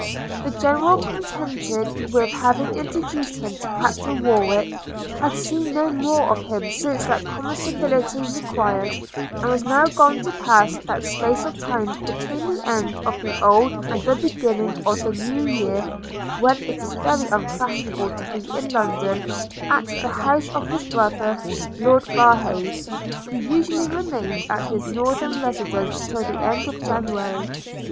The General, contented with having introduced him to Captain Warwick, had seen no more of him since than common civility required, and was now gone to pass that space of time between the end of the old and the beginning of the new year, when it is very unfashionable to be in London, at the house of his brother, Lord Barhave, who usually remained at his northern residence till the end of January.